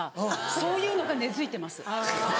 そういうのが根付いてます。